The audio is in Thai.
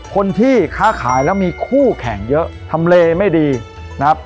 คนที่ค้าขายแล้วมีคู่แข่งเยอะทำเลไม่ดีนะครับ